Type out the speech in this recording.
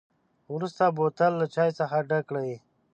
وروسته بوتل له چای څخه ډک کړئ.